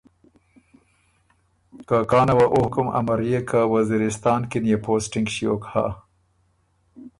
کانه وه او حُکم امريېک که وزیرستان کی نيې پوسټِنګ ݭیوک هۀ